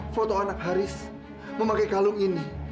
foto anak haris memakai kalung ini